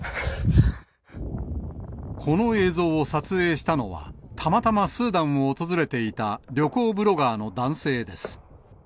この映像を撮影したのは、たまたまスーダンを訪れていた旅行ブロガーの男性です。